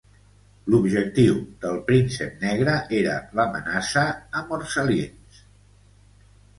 L'objectiu del "Príncep Negre" era l'amenaça a Morsalines.